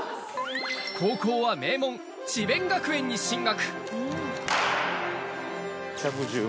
高校は名門・智辯学園に進学。